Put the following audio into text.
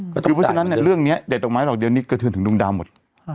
เพราะฉะนั้นเนี่ยเรื่องเนี้ยเด็ดตรงไม้หลังเดียวนี้กระทืนถึงดุงดาวหมด